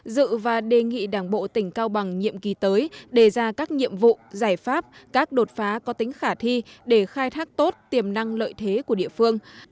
dự và đề nghị đảng bộ tỉnh cao bằng nhiệm kỳ tới đề ra các nhiệm vụ giải pháp các đột phá có tính khả thi để khai thác tốt tiềm năng lợi thế của địa phương